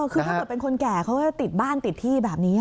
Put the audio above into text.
คือถ้าเกิดเป็นคนแก่เขาจะติดบ้านติดที่แบบนี้